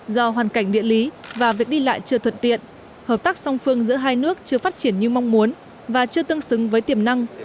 do hoàn cảnh địa lý và việc đi lại chưa thuận tiện hợp tác song phương giữa hai nước chưa phát triển như mong muốn và chưa tương xứng với tiềm năng